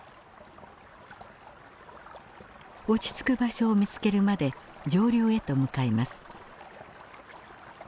落ち着く場所を見つけるまで上流へと向かいます。